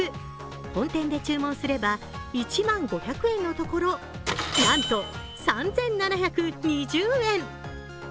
本店で注文すれば１万５００円のところ、なんと、３７２０円！